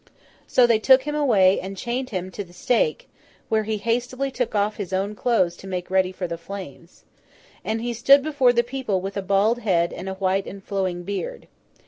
So they took him away, and chained him to the stake, where he hastily took off his own clothes to make ready for the flames. And he stood before the people with a bald head and a white and flowing beard.